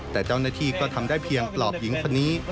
แต่เจ้าหน้าที่ก็ทำได้เพียงปลอบหญิงคนนี้